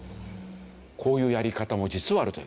こういうやり方も実はあるという。